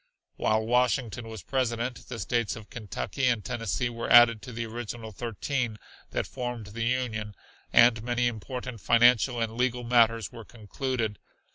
While Washington was President, the states of Kentucky and Tennessee were added to the original thirteen that formed the Union, and many important financial and legal matters were concluded.